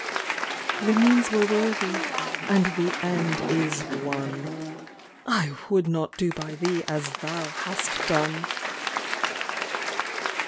The means were worthy, and the end is won I would not do by thee as thou hast done!